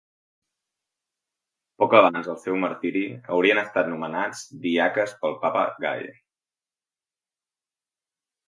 Poc abans del seu martiri haurien estat nomenats diaques pel papa Gai.